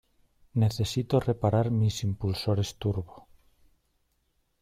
Necesito reparar mis impulsores turbo.